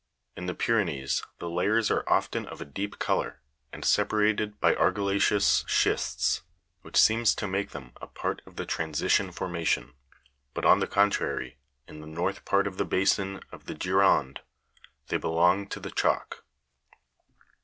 In the Pyrenees the lay ers are often of a deep colour, and separated by argilla'ceous schists, which seems to make them a part of the transition for mation ; but, on the contrary, in the north part of the ba sin of the Gironde, they belong to the chalk.